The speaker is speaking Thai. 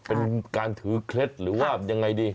เป็นการถือเคล็ดหรือว่ายังไงดี